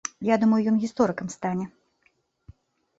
Я думаю, ён гісторыкам стане.